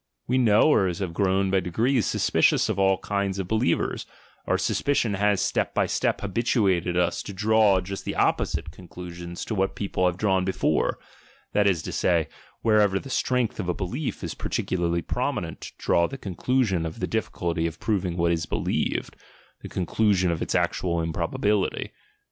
We "knowers" have grown by ,'rees suspicious of all kinds of believers, our suspicion has step by step habituated us to draw just the opposite conclusions to what people have drawn before; that is to say, wherever the strength of a belief is particularly prom inent to draw the conclusion of the difficulty of proving what is believed, the conclusion of its actual improbability.